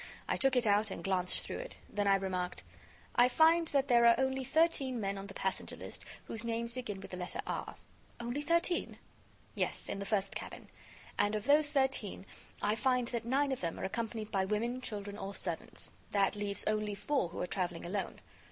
I took it out and glanced through it. Then I remarked: "I find that there are only thirteen men on the passenger list whose names begin with the letter R." "Only thirteen?" "Yes, in the first cabin. And of those thirteen, I find that nine of them are accompanied by women, children or servants. That leaves only four who are traveling alone.